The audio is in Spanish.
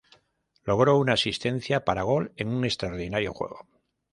Logró una asistencia para gol en un extraordinario juego.